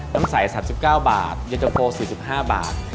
น้ำใส๓๙บาทเย็นตะโฟ๔๕บาท